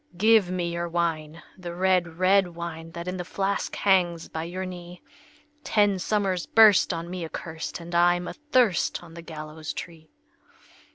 "Give me your wine, the red, red wine, That in the flask hangs by your knee! Ten summers burst on me accurst, And I'm athirst on the gallows tree."